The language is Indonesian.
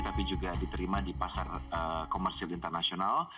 tapi juga diterima di pasar komersil internasional